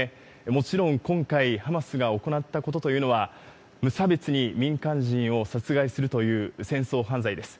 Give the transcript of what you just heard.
もちろん、今回ハマスが行ったことというのは、無差別に民間人を殺害するという戦争犯罪です。